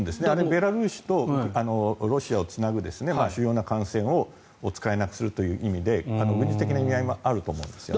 ベラルーシとロシアをつなぐ主要な幹線を使えなくするという意味で現実的な意味合いもあると思うんですよね。